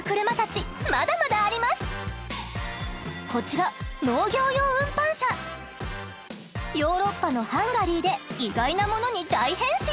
こちらヨーロッパのハンガリーで意外なものに大変身！